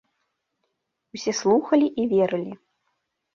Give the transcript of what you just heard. Усе слухалі і верылі.